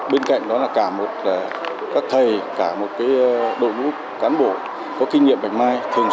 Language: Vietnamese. bên cạnh đó là cả một các thầy cả một đội ngũ cán bộ có kinh nghiệm bạch mai thường